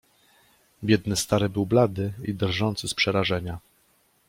"Biedny stary był blady i drżący z przerażenia."